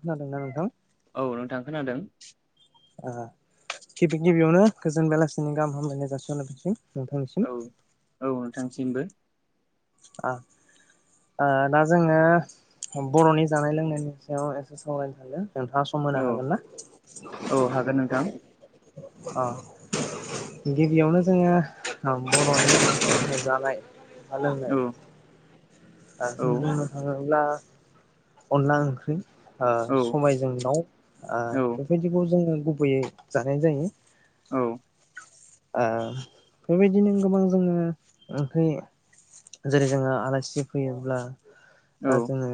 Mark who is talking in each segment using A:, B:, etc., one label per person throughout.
A: खोनादोंना नोंथां?
B: औ नोंथां खोनादों?
A: ओ गिबि गिबियावनो गोजोन बेलासिनि गाहाम हामलायनाय जासिहरनाय [unintelligible]
B: औ औ नोंथांसिमबो
A: ओ दा जोंङो बर'नि जानाय लोंनायनि सायाव एसे सावरायनो सान्दों। नोंथांङा सम होनो
B: औ
A: हागोन ना?
B: औ हागोन नोंथां
A: अ गिबियावनो जोङो बर'नि जानाय बा लोंनाय
B: औ
A: ओ
B: औ
A: जों बुंनो थाङोब्ला अनला ओंख्रि ओ
B: औ
A: सबायजों दाव आ
B: औ
A: बेबायदिखौ जोङो गुबैयै जानाय जायो।
B: औ
A: ओ बेबायदिनो गोबां जोङो ओ जेरै जोङो आलासि फैयोब्ला
B: औ
A: आ जोङो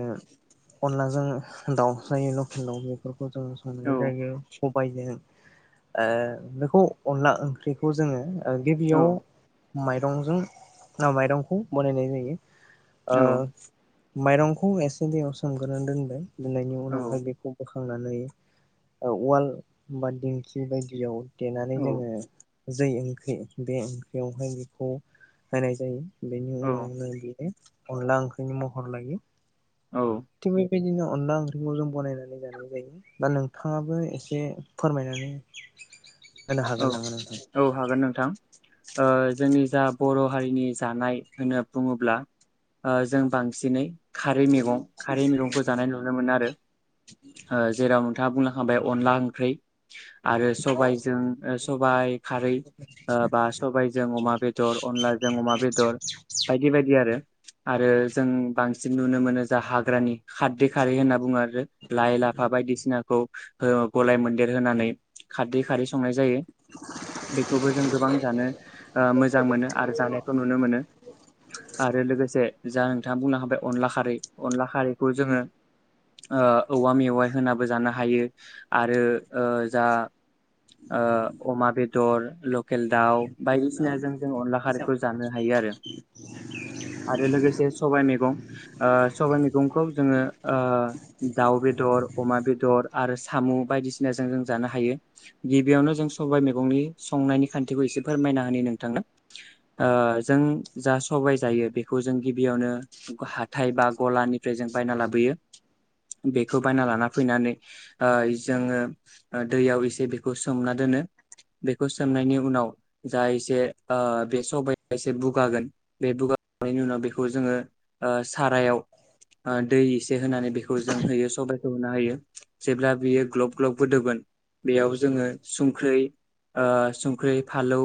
A: अनलाजों दाउ जायो लकेल दाउ बेफोरखौ [unintelligible]
B: औ
A: सबायजों ओ बेखौ अनला ओंख्रिखौ जोङो ओ गिबियाव माइरंजों ना माइरंखौ बानायनाय जायो ओ माइरंखौ एसे दैयाव सोमग्रोनानै दोनबाय। दोननायनि उनावहाय बेखौ बो फांनानै उवाल बा दिंखि बायदियाव देनानै जोङो जै ओंख्रि बे ओंख्रियावहाय बेखौ होनाय जायो। बेनि
B: औ
A: उनावनो बियो अनला ओंख्रिनि महर लायो।
B: औ
A: थिग बेबायदिनो अनला ओंख्रिखौ जों बनायनानै जानाय जायो दा नोंथाङाबो एसे फोरमायनानै होनो
B: औ
A: हागोन नामा नोंथां
B: औ हागोन नोंथां ओ जोंनि जा बर' हारिनि जानाय होनना बुङोब्ला जों बांसिनै खारै मेगं खारै मेगंखौ जानाय नुनो मोनो आरो जेराव नोंथाङा बुं हाबायाव अनला ओंख्रि आरो सबायजों सबाइ खारै ओ बा सबायजों अमा बेदर अनलाजों अमा बेदर बायदि बायदि आरो आरो जों बांसिन नुनो मोनो जा हाग्रानि खारदै खारै होनना बुङो आरो लाइ लाफा बायदिसिनाखौ ओ गलाय मोन्देर होनानै खारदै खारै संनाय जायो जायो बेखौबो जों गोबां जानो ओ मोजां मोन आरो जानाय नुनो मोनो आरो लोगोसे जा नोंथाङा बुंनो हाबाय अनला खारै अनला खारैखौ जोङो ओ औवा मेवाइ होनाबो जानो हायो आरो ओ जा ओ अमा बेदर लकेल दाउ बायदिसिनाजों अनला खारैखौ जों जानो हायो आरो लोगोसे सबाय मैगं ओ सबाय मैगंखौ ओ जोङो दाउ बेदर अमा बेदर आरो स सामु बायदिसिनाजों जों जानो हायो गिबियावनो जों सबाइ मैगंनि संनायनि खान्थिखौ एसे फोरमायना होनि नोंथांनो ओ जों जा सबाइ जायो बेखौ जों गिबियावनो हाथाय बा गलानिफ्राय जों बायना लाबोयो बेखौ बायना लाना फैनानै ओ जोङो दैयाव एसे सोमना दोनो बेखौ सोमनायनि उनाव जा एसे ओ बे सबाया एसे बुगागोन बे बुगानायनि उनाव बेखौ जोङो ओ सारायाव ओ दै एसे होनानै बेखौ जों होयो सबाइखौ होना होयो जेब्ला बेयो ग्लब ग्लब गोदौगोन बेयाव जोङो सुंख्रै ओ सुंख्रै फालौ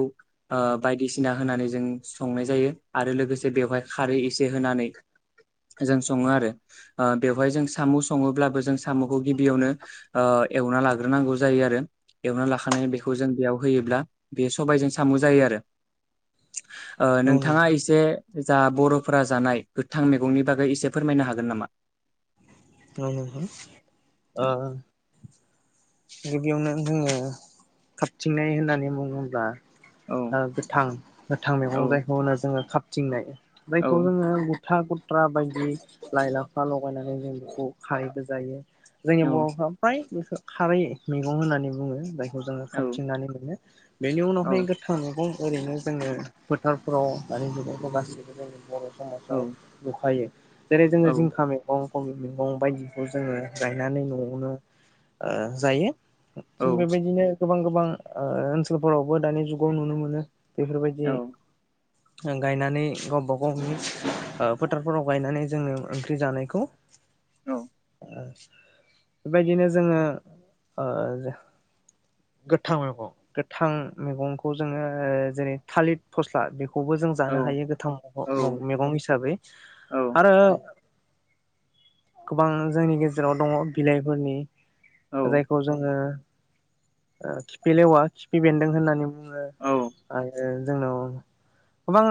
B: ओ बायदिसिना होनानै जों संनाय जायो आरो लोगोसे बेवहाय खारै एसे होनानै जों सङो आरो ओ बेवहाय जों साम सङोब्लाबो जों सामखौ गिबियावनो ओ एवना लाग्रोनांगौ जायो आरो एवना लाखांनानै बेखौ जों बेयाव होयोब्ला बेयो सबायजों साम जायो आरो ओ
A: औ
B: नोंथाङा
A: नोंथां
B: इसे जा बरफोरा जानाय गोथां मैगंनि बागै एसे फोरमायनो हागोन नामा
A: औ हो गिबियावनो जोङो खाबथिंनाय होननानै बुङोब्ला
B: औ
A: ओ गोथां गोथां
B: औ
A: मैगं जायखौ होनो जोङो खाब थिंनाय
B: औ
A: बैखौ जोङो था खुथ्रा बायदि लाइ लाफा लगायनानै जों खारैबो जायो। जोंनि बरफ्रा फ्राय बे खो खारै मैगं होननानै बुङो जायखौ। खौ जोङो
B: औ
A: खाबथिंनानै मोनो बेनि
B: औ
A: उनावहाय गोथां मैगं ओरैनो जोङो फोथारफ्राव दानि जुगावथ गासिबो जों बर' समाजाव नुखायो। जेरै
B: औ
A: जोङो जिंखा मैगं खबि मैगं बायदिखौ जोङो गायनानै नआवनो ओ जायो। थिग बेबायदिनो गोबां गोबां ओ ओनसोलफोरावबो दानि जुगाव नुनो मोनो बेफोरबायदि
B: औ
A: गायनानै गावबा गावनि ओ फोथारफोराव गायनानै जोंङो ओंख्रि जानायखौ
B: औ
A: बेबायदिनो जोंङो ओ गोथां मैगं गोथां मैगंखौ जोंङो जेरै थालिर फस्ला खौबो जों जानो
B: औ
A: हायो गोथां
B: औ
A: मैगं मैगं हिसाबै आरो गोबां जोंनि गेजेराव दङ बिलाइफोरनि
B: औ
A: जायखौ जोंङो ओ खिफि लेवा खिफि बेन्दों होननानै बुङो आरो जोंनाव गोबां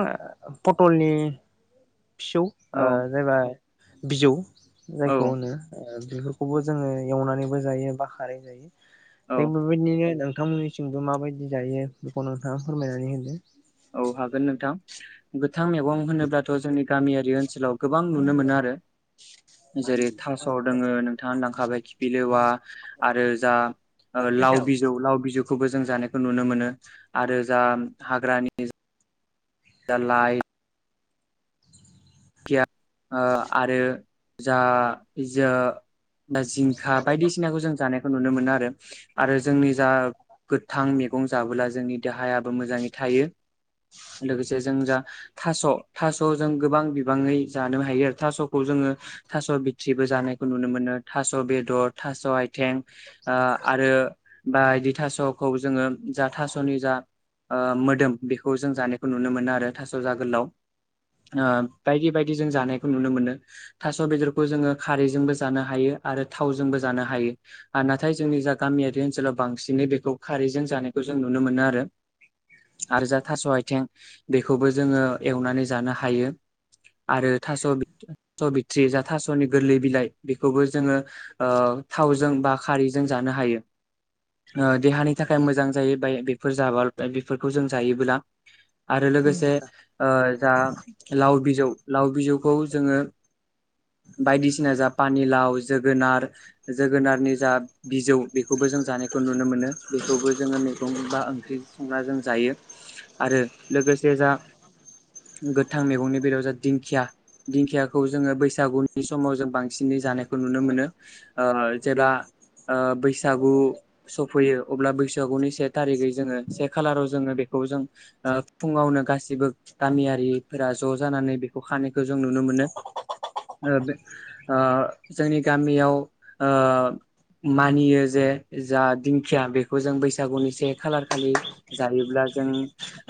A: पटलनि फिसौ ओ
B: औ
A: जायबाय बिजौ जायखौ
B: औ
A: होनो ओ बेफोरखौबो जोंङो एवनानैबो जायो बा खारै जायो
B: औ
A: [unintelligible] बेबायदिनो दं नोंथांमोननिथिंबो माबायदि जायो बेखौ नोंथांङा फोरमायनानै होदो
B: औ हागोन नोंथां गोथां मैगं होनोब्लाथ जोंनि गामियारि ओनसोलाव गोबां नुनो मोनो आरो
A: औ
B: जेरै थास दोङो नोंथांङा लांखाबाय खिफि लेवा आरो जा लाव बिजौ लाव बिजौ खौबो जों जानायखौ नुनो मोनो आरो जा हाग्रानि नि जा दालाय [unintelligible] ओ आरो जा जो ‌बा जिंखा बायदिसिनाखौ जों जानाय नुनो मोनो आरो आरो जोंनि जा गोथां मेगं जाबोला जोंनि देहायाबो मोजांङै थायो लोगोसे जों जा थास थास जों गोबां बि बाङै जानो हायो आरो थासखौ जोंङो थास बिथ्रिबो जानायखौ नुनो मोनो थास बेदर थास आइथें आ आरो बायदि थासखौ जोंङो जा थासनि जा ओ मोदोम बेखौ जों जानायखौ नुनो मोनो आरो थास जा गोलाव ओ बायदि बायदि जों जानायखौ नुनो मोनो थास बेदरखौ जोंङो खारैजोंबो जानो हायो आरो थावजोंबो जानो हायो आर नाथाय जोंनि जा गामियारि ओनसोलाव बांसिनै बेखौ खारैजों जानायखौ जों नुनो मोनो आरो आरो जा थास आथिं बेखौबो जोंङो एवनानै जानो हायो। आरो थास बिथ थास बिथ्रि जा थासनि गोरलै बिलाइ बेखौबो जोंङो ओ थावजों बा खारैजों जानो हायो ओ देहानि थाखाय मोजां जायो बा बेफोर जाबा बेफोरखौ जों जायोब्ला आरो लोगोसे ओ जा लाव बि लाव बिजौखौ जोंङो बायदिसिना जा पानिलाव जोगोनार जोगोनारनि जा बिजौ बेखौबो जों जानायखौ नुनो मोनो बेखौबो जोंङो मेगं बा ओंख्रि संना जों जायो आरो लोगोसे जा गोथां मैगंनि बिलायाव जा दिंखिया दिंखियाखौ जोङो बैसागुनि समाव जों बांसिनै जानायखौ नुनो मोनो ओ जेब्ला ओ बैसागु सफैयो अब्ला बैसागुनि से थारिखै जोङो से खालाराव जोङो बेखौ जों ओ फुङावनो गासिबो गामियारिफोरा ज जानानै बे बखानायखौ जों नुनो मोनो ओ बे ओ जोंनि गामियाव ओ मानियो जे जा दिंखिया बेखौ जों बैसागुनि से खालार खालि जायोब्ला जों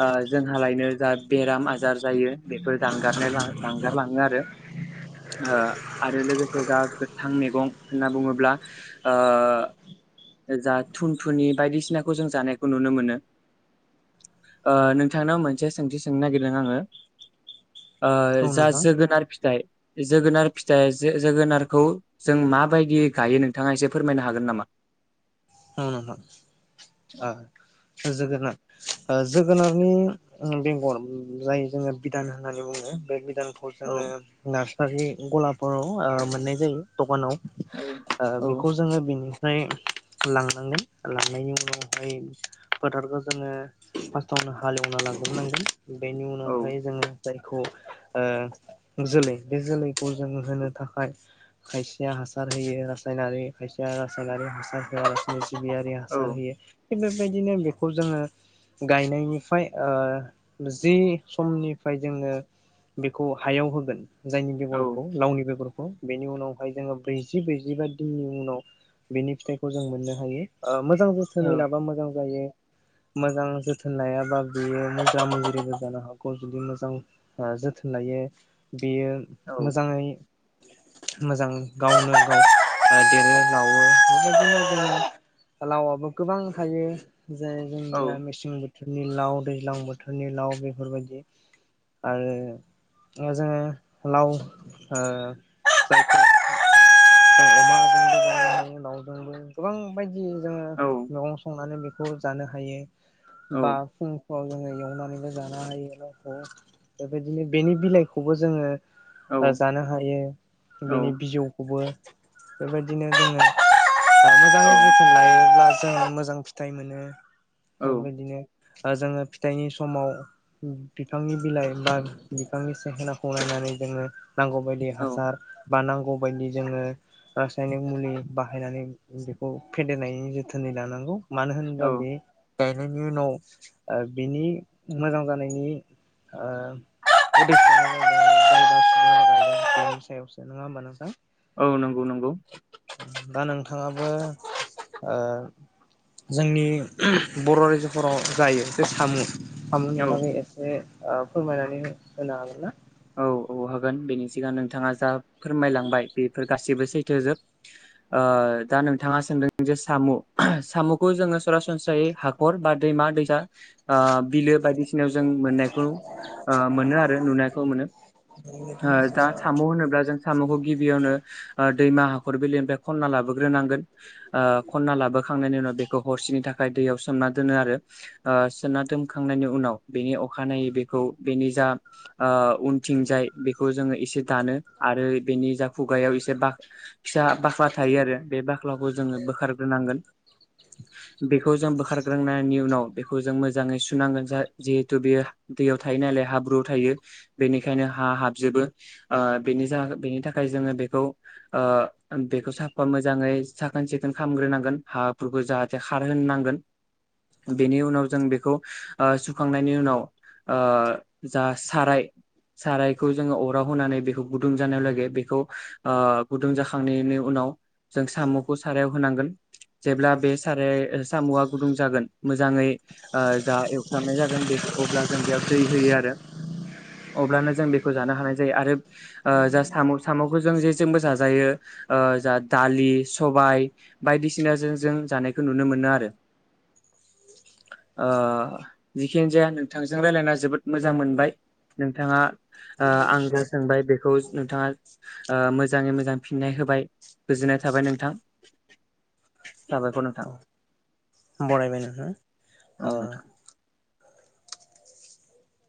B: ओ जोंहालायनो जा बेराम आजार जायो बेफोर दानगार [unintelligible] दानगारलाङो आरो ओआ आरो लोगोसे जा गोथां मैगं होनना बुङोब्ला आ जा थुनथुनि बायदिसिनाखौ जों जानायखौ नुनो मोनो ओ नोंथांनाव मोनसे सोंथि सोंनो नागिरदों आङो ओ जा
A: नोंथां
B: जोगोनार फिथाइ जोगोनार फिथाइ जो-जोगोनारखौ जों माबायदि गायो नोंथाङा एसे फोरमायनो हागोन नामा?
A: औ नोंथां अ जोगोनार ओ जोगोनारनि बेंगर जाय जोङो बिदान होननानै बुङो बे बिदान [unintelligible]
B: औ
A: जोङो नार [unintelligible] रि गलाफोराव ओ मोननाय जायो दकानाव
B: औ
A: ओ
B: औ
A: बेखौ जोङो बिनि [unintelligible] लांनांगोन लांनायनि उनावहाय फोथारखौ जोङो फार्स्टआवनो हालेवना लांग्रोनांगोन। बेनि
B: औ
A: उनावहाय जोङो जाय खौ ओ जोलै बे जोलैखौ जों होनो थाखाय खायसेया हासार होयो रासायनारि खायसेया रासायनारि हासार [unintelligible] बियारि हासार होयो बे बिदिनो बेखौ जोङो गायनायनिफ्राय ओ जि समनिफ्राय जोङो बेखौ हायाव होगोन जायनि
B: औ
A: बेगरखौ लावनि बेगर [unintelligible] बेनि उनावहाय जोङो ब्रैजि ब्रैजिबा दिननि उनाव बेनि फिथाइ जों मोननो हायो। आ मोजां
B: औ
A: जोथोनै लाबा मोजां जायो। मोजां जोथोन लायाबा बेयो [unintelligible] [unintelligible] जानो हागौ जुदि मोजां जोथोन लायो बेयो
B: औ
A: मोजाङै मोजां गावनो गाव [unintelligible] ओ देरो लावो बेबा [unintelligible] बिदनो जों लावबो गोबां थायो। जाय जोंनिया
B: औ
A: मेसें बोथोरनि लाव। दैज्लां बोथोरनि लाव बेफोरबायदि आरो ओ जोङो लाव ओ जायफोर [unintelligible] लाव गोबां बाय जोङो
B: औ
A: मैगं संनानै बेफ खौ जानो हायो। बा फुं फुंआव जोङो एवनानैबो जानो हायो। ओ ओ बेदिनो बेनि बिलाइखौबो जोङो ओ
B: औ
A: जानो हायो बेनि बिजौखौबो बेबायदिनो जोङो [unintelligible] [unintelligible] मोजाङै जोथोन लायोब्ला जोङ मोजां फिथाइ मोनो।
B: औ
A: बेबायदिनो जोङो फिथाइनि समाव बिफांनि बिलाइ बा बिफांनि सेेंखोनाखौ नायनानै जोङो नांगौ बायदि हासार बा नांगौ बायदि जोङो रासायनीक मुलि बाहायनानै बेखौ फेदेरनायनि जोथोनै लानांगौ मानो
B: औ
A: होनोबा बे गायनायनि उनाव ओ बिनि मोजां जानायनि [unintelligible] सायावसो नङा होमब नोंथां
B: औ नंगौ नंगौ
A: बिथाङाबो [unintelligible] जोंनि बर रायजोफोराव जायो जे सामु खामानि
B: औ
A: बागै एसे ओ फोरमायनानै हो-होनो हागोन ना?
B: औ औ हागोन बेनि सिगां नोंथाङा जा फोरमायलांबाय बेफोर गासिबो सैथोजोब ओ दा नोंथाङा सोंदों जे सामु सामुखौ जोङो सरासनस्रायै हाखर बा दैमा दैसा ओ बिलो बायदिसिनायाव जों मोननायखौ ओ मोनो आरो नुना खौ मोनो ओ दा साम' होनोब्ला जों साम'खौ गिबियावनो दैमा हाखर बिलोनिफ्राय खन्ना लाबोग्रोनांगोन ओ खन्ना लाबोखांनायनि उनाव बेखौ हरसेनि थाखाय दैयाव सोमना दोनो आरो ओ सोमना दोनखांनायनि उनाव बेनि अखानायै बेखौ बेनि जा ओ उनथिंजाय बेखौ जोङो एसे दानो आरो बेनि जा खुगायाव एसे बागसा बाख्ला थायो आरो बे बाख्लाखौ जोङो बोखारग्रोनांगोन बेखौ जों बोखारग्रांनायनि उनाव बेखौ जों मोजाङै सुनांगोन जा जिहेथु बेयो दैयाव थायो नालाय हाब्रुआव थायो। बेनिखायनो हा हाबजोबो ओ बेनि बेनि थाखाय जोङो बेखौ ओ बेखौ साफा मोजाङै साखोन सिखोन खामग्रोनांगोन हाफोरखौ जाहाथे खारहोनो नांगोन बेनि उनाव जों बेखौ ओ सुखांनायनि उनाव ओ जा साराय सारायखौ जोङो अराव होनानै बेखौ गुदुं जानायाव लागे बेखौ ओ गुदुं जाखांनायनि उनाव जों साम'खौ सारायाव होनांगोन जेब्ला बे साराया सामआ गुदुं जागोन मोजाङै ओ जा एवफ्रामनाय जागोन बे अब्ला जों बेयाव दै होयो आरो अब्लानो जों बेखौ जानो हानाय जायो आरोओ जा साम' साम'खौ जों जेजोंबो जाजायो ओ जा दालि सबाय बायदिसिनाजों जों जानायखौ नुनो मोनो आरो ओ जिखियानो जाया नोंथांजों रायलायना जोबोद मोजां मोनबाय। नोंथाङा ओ आं जा सोंबाय बेखौ नोंथाङा ओ मोजाङै मोजां फिननाय होबाय गोजोननाय थाबाय नोंथां साबायखर नोंथां।
A: बरायबाय नोंथां ओ